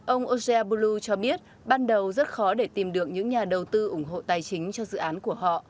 ông ojeabulu cho biết ban đầu rất khó để tìm được những nhà đầu tư ủng hộ tài chính cho dự án của họ